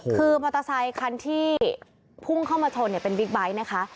คือมอเตอร์ไซคันที่พุ่งเข้ามาชนเป็นบิ๊กไบท์นะคะ